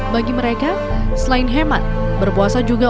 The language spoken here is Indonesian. bagi mereka selain hemat berpuasa juga